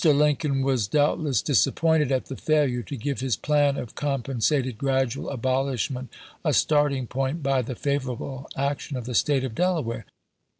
Lincoln was doubtless disappointed at the failuie to give his plan of compensated gradual abolishment a starting point by the favorable ac tion of the State of Delaware.